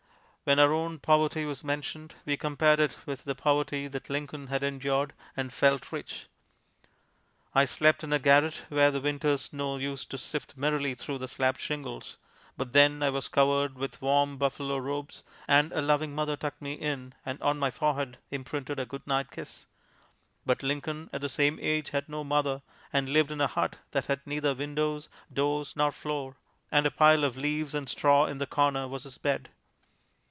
When our own poverty was mentioned, we compared it with the poverty that Lincoln had endured, and felt rich. I slept in a garret where the winter's snow used to sift merrily through the slab shingles, but then I was covered with warm buffalo robes, and a loving mother tucked me in and on my forehead imprinted a goodnight kiss. But Lincoln at the same age had no mother and lived in a hut that had neither windows, doors nor floor, and a pile of leaves and straw in the corner was his bed.